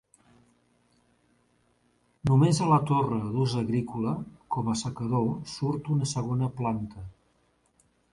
Només a la torre, d'ús agrícola, com a assecador, surt una segona planta.